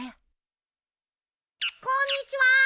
こんにちはー！